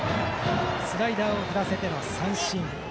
スライダーを振らせての三振。